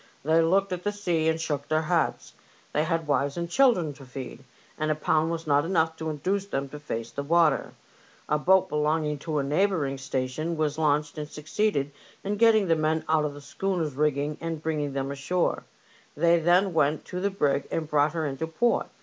They looked at the sea and shook their heads ; they had wives and children to feed, and a pound was not enough to induce them to face the water. A boat belonging to a neighbouring station was launched and succeeded in getting the men out of the schooner's rigging and bring ing them ashore. They then went to the brig and brought her into port.